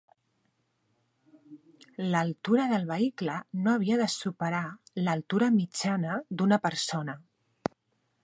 L'altura del vehicle no havia de superar l'altura mitjana d'una persona.